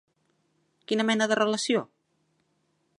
Quina mena de relació?